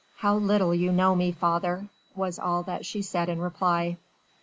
"How little you know me, father," was all that she said in reply.